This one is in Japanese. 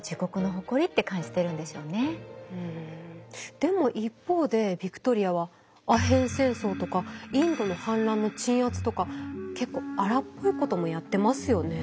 うんでも一方でヴィクトリアはアヘン戦争とかインドの反乱の鎮圧とか結構荒っぽいこともやってますよね。